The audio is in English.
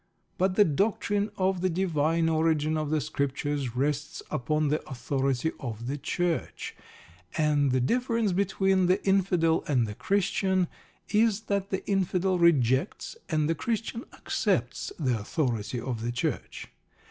But the doctrine of the divine origin of the Scriptures rests upon the authority of the Church; and the difference between the Infidel and the Christian is that the Infidel rejects and the Christian accepts the authority of the Church.